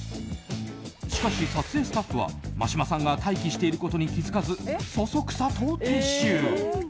しかし、撮影スタッフは眞島さんが待機していることに気づかずそそくさと撤収。